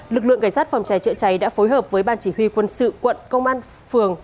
lực lượng cảnh sát phòng cháy chữa cháy đã phối hợp với ban chỉ huy quân sự quận công an phường